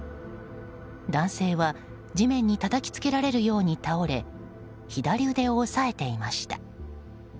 男性は、地面にたたきつけられるように倒れ左腕を押さえていました。